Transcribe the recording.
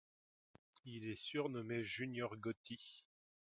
Il est surnommé Junior Gotti.